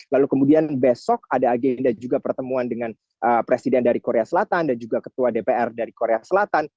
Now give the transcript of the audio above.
lalu kemudian besok ada agenda juga pertemuan dengan presiden dari korea selatan dan juga ketua dpr dari korea selatan